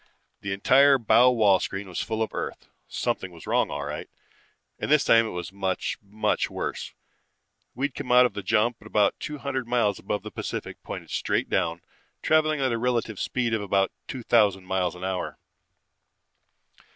The entire bow wall screen was full of Earth. Something was wrong all right, and this time it was much, much worse. We'd come out of the jump about two hundred miles above the Pacific, pointed straight down, traveling at a relative speed of about two thousand miles an hour.